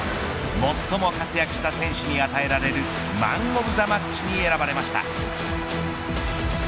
最も活躍した選手に与えられるマン・オブ・ザ・マッチに選ばれました。